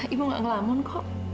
ibu gak ngelamun kok